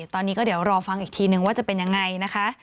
ตอนนี้ก็เดี๋ยวรอฟังอีกทีนึงว่าจะเป็นยังไงนะคะ